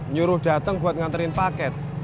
nyuruh datang buat nganterin paket